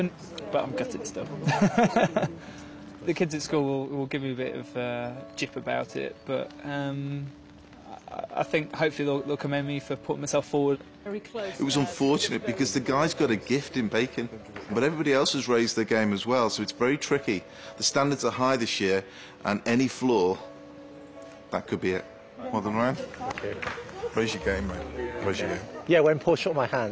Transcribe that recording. はい。